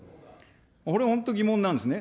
これ本当疑問なんですね。